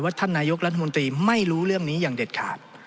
ท่านนายกรัฐมนตรีไม่รู้เรื่องนี้อย่างเด็ดขาด